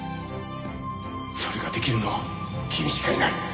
それができるのは君しかいない！